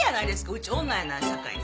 うち女やなんさかいに。